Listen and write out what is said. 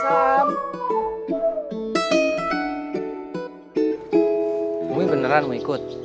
kamu beneran mau ikut